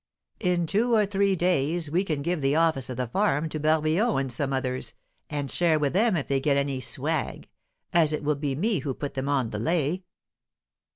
In two or three days we can 'give the office' of the farm to Barbillon and some others, and share with them if they get any 'swag,' as it will be me who put them on the 'lay.'"